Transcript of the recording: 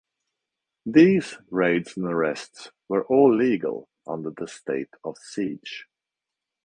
These raids and arrests were all legal under the state of siege.